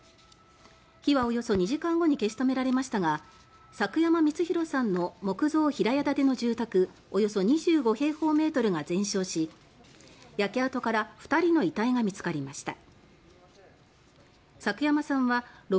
火はおよそ２時間後に消し止められましたが作山光廣さんの木造平屋建ての住宅およそ２５平方メートルが全焼し焼け跡から２人の遺体が見つかりました。